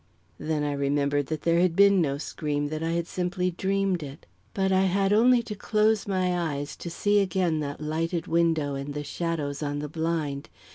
Then I remembered that there had been no scream, that I had simply dreamed it. But I had only to close my eyes to see again that lighted window and the shadows on the blind.